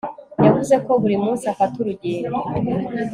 Yavuze ko buri munsi afata urugendo